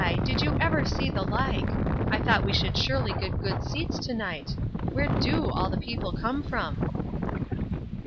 Did you ever see the like! I thought we should surely get good seats to night? Where do all the people come from."